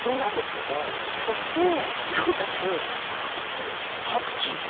そしてなおかつパクチーも入れます。